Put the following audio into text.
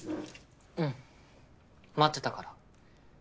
うん待ってたから。